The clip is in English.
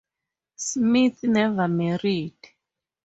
Smith never married.